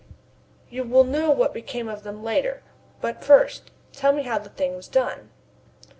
"You will know what became of them later. But first, tell me how, the thing was done."